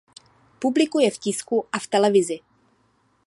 Publikuje v tisku a v televizi.